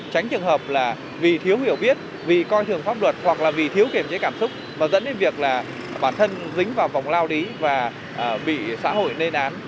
tránh trường hợp là vì thiếu hiểu biết vì coi thường pháp luật hoặc là vì thiếu kiềm chế cảm xúc và dẫn đến việc là bản thân dính vào vòng lao đí và bị xã hội nê đán